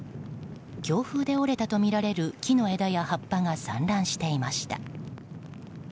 強風で折れたとみられる木の枝や葉っぱが散乱していました。